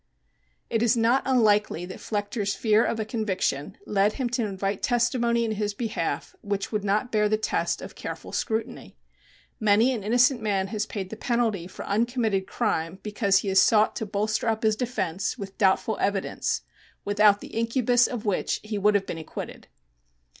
It is not unlikely that Flechter's fear of a conviction led him to invite testimony in his behalf which would not bear the test of careful scrutiny. Many an innocent man has paid the penalty for uncommitted crime because he has sought to bolster up his defense with doubtful evidence without the incubus of which he would have been acquitted.